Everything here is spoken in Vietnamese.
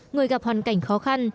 người gặp hoàn cảnh khó khăn